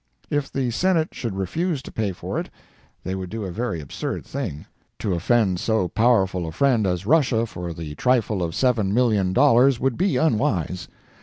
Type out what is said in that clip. If the Senate should refuse to pay for it, they would do a very absurd thing. To offend so powerful a friend as Russia for the trifle of $7,000,000 would be unwise.